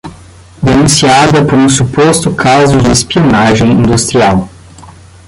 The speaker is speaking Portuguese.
Denunciada por um suposto caso de espionagem industrial